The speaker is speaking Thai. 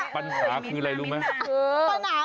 ปัญหาคือยัง